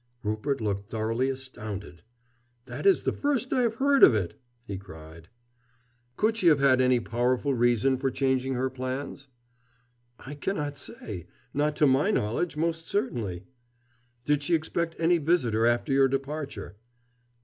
Rupert looked thoroughly astounded. "That is the first I have heard of it," he cried. "Could she have had any powerful reason for changing her plans?" "I cannot say. Not to my knowledge, most certainly." "Did she expect any visitor after your departure?"